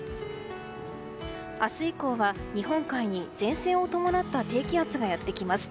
明日以降は日本海に前線を伴った低気圧がやってきます。